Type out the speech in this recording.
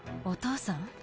お父さん！